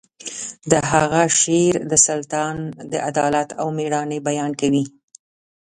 د هغه شعر د سلطان د عدالت او میړانې بیان کوي